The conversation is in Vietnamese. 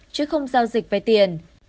chứ không giao dịch vay tiền